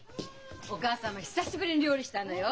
お母さんも久しぶりに料理したのよ。